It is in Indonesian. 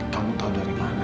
kamu tahu dari mana